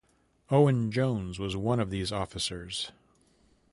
Owen Jones was one of these officers.